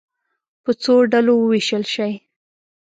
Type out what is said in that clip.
په څو ډلو وویشل شئ.